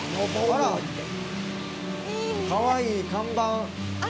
あら、かわいい看板。